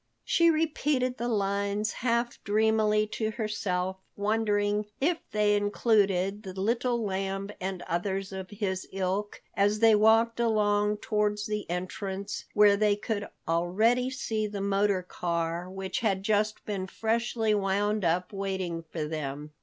She repeated the lines half dreamily to herself, wondering if they included the Little Lamb and others of his ilk, as they walked along towards the entrance, where they could already see the motor car, which had just been freshly wound up, waiting for them.